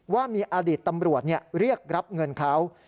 ว่ามีอดีตตำรวจเรียกรับเงินเขา